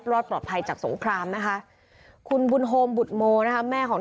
รอดปลอดภัยจากสงครามนะคะคุณบุญโฮมบุตรโมนะคะแม่ของ